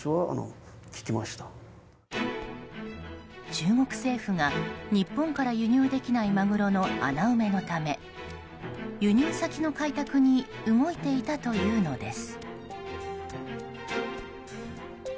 中国政府が日本から輸入できないマグロの穴埋めのため輸入先の開拓に動いていたというのです。